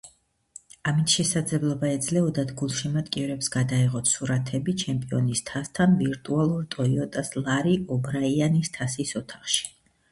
ამით შესაძლებლობა ეძლეოდათ გულშემატკივრებს გადაეღოთ სურათები ჩემპიონის თასთან ვირტუალურ ტოიოტას ლარი ობრაიანის თასის ოთახში.